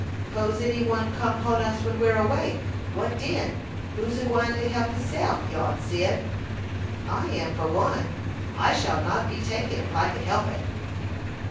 "'Pose any one come 'pon us when we're awake: what den? Who's a gwine to help hisself?" yawned Cyd. "I am, for one. I shall not be taken, if I can help it."